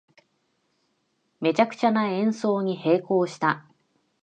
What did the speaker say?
めちゃくちゃな演奏に閉口した